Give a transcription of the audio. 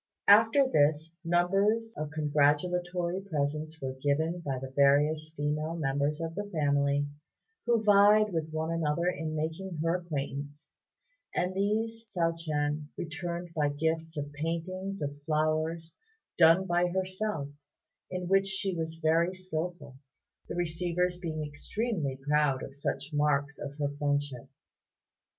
After this, numbers of congratulatory presents were given by the various female members of the family, who vied with one another in making her acquaintance; and these Hsiao ch'ien returned by gifts of paintings of flowers, done by herself, in which she was very skilful, the receivers being extremely proud of such marks of her friendship.